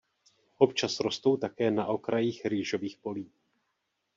Občas rostou také na okrajích rýžových polí.